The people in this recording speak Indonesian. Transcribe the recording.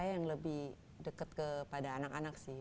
yang lebih dekat kepada anak anak sih